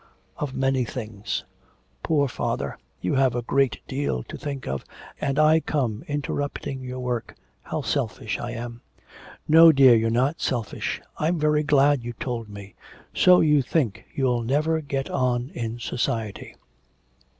'Of many things.' 'Poor father, you have a great deal to think of, and I come interrupting your work. How selfish I am.' 'No, dear, you're not selfish.... I'm very glad you told me. So you think you'll never get on in society.'